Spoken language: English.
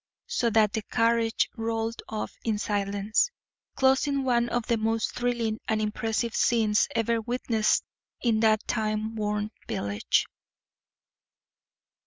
So that the carriage rolled off in silence, closing one of the most thrilling and impressive scenes ever witnessed in that time worn village.